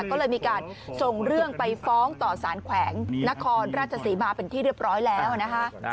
ก็เลยมีการส่งเรื่องไปฟ้องต่อสารแขวงนครราชศรีมาเป็นที่เรียบร้อยแล้วนะคะ